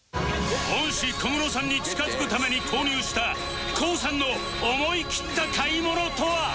恩師小室さんに近づくために購入した ＫＯＯ さんの思い切った買い物とは？